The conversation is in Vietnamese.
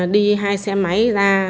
đi hai xe máy ra